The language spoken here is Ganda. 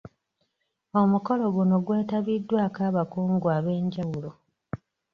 Omukolo guno gwetabiddwako abakungu ab'enjawulo